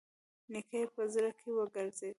نيکه يې په زړه کې وګرځېد.